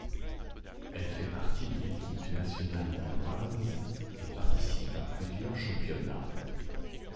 Elle fait partie de l'équipe nationale danoise et participe à plusieurs championnats.